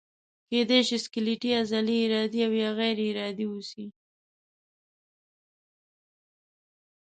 کیدای شي سکلیټي عضلې ارادي او یا غیر ارادي اوسي.